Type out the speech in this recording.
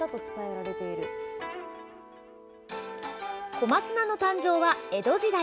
小松菜の誕生は江戸時代。